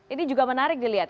ini juga menarik dilihat